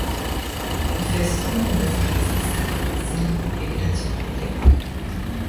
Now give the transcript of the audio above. Die Festung und das Glacis sind mit Vegetation bedeckt.